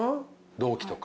同期とか。